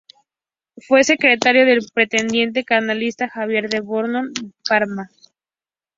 Fue secretario del pretendiente carlista Javier de Borbón Parma.